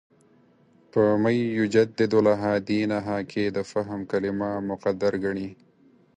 په «مَن یُجَدِّدُ لَهَا دِینَهَا» کې د «فهم» کلمه مقدر ګڼي.